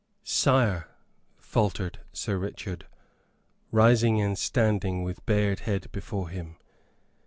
"Sire," faltered Sir Richard, rising and standing with bared head before him.